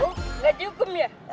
oh gak dihukum ya